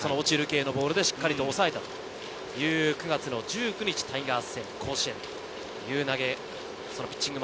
落ちる系のボールでしっかり抑えたという９月１９日タイガース戦、甲子園です。